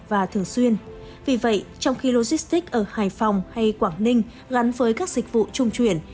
và thường xuyên vì vậy trong khi logistics ở hải phòng hay quảng ninh gắn với các dịch vụ trung chuyển